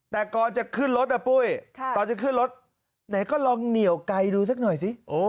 แต่ก่อนจะขึ้นรถนะปุ้ยตอนจะขึ้นรถไหนก็ลองเหนียวไกลดูสักหน่อยสิ